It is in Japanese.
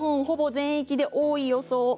ほぼ全域で多い予想。